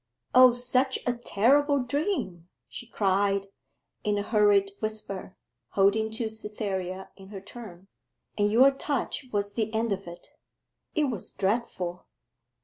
'O such a terrible dream!' she cried, in a hurried whisper, holding to Cytherea in her turn; 'and your touch was the end of it. It was dreadful.